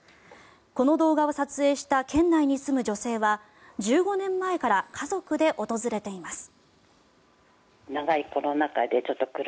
この動画を撮影した県内に住む女性は１５年前から家族で訪れています。